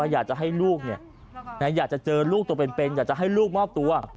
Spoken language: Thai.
อยากจะเจอลูกตัวเป็นเพ็งอยากจะให้ลูกมอบตัว